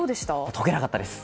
解けなかったです。